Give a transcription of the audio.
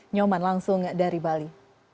nyoman langsung dari bali